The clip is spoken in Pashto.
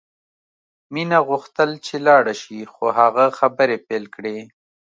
مینه غوښتل چې لاړه شي خو هغه خبرې پیل کړې